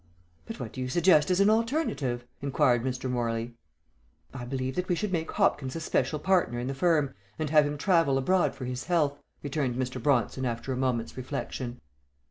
"But what do you suggest as an alternative?" inquired Mr. Morley. "I believe that we should make Hopkins a special partner in the firm, and have him travel abroad for his health," returned Mr. Bronson after a moment's reflection.